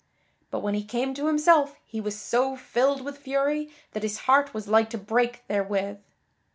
But when he came to himself he was so filled with fury that his heart was like to break therewith.